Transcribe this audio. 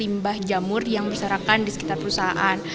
limbah jamur yang berserakan di sekitar perusahaan